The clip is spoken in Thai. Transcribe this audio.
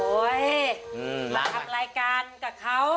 มาทำรายการกับเขา